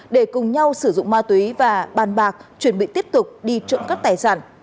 để cùng nhau sử dụng ma túy và bàn bạc chuẩn bị tiếp tục đi trộm cắp tài sản